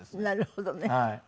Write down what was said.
なるほどね。